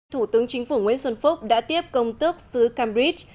thủ tướng chính phủ nguyễn xuân phúc đã tiếp công tước xứ cambridge